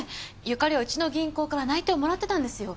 由加里はうちの銀行から内定をもらってたんですよ。